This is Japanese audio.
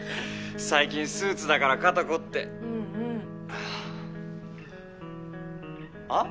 最近スーツだから肩凝ってうんうんあっ？